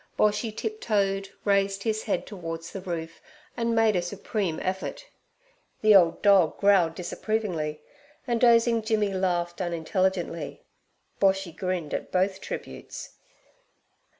Boshy tip toed, raised his head towards the roof, and made a supreme effort. The old dog growled disapprovingly, and dozing Jimmy laughed unintelligently. Boshy grinned at both tributes.